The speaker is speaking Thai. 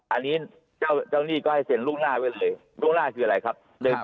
อันนี้เจ้าหนี้ก็ให้เซ็นล่วงหน้าไว้เลยล่วงหน้าคืออะไรครับ